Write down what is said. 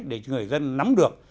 để người dân nắm được